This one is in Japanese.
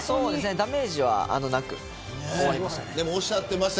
ダメージはなく終わりました。